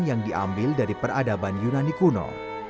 yang diambil dari peradaban yunani kuno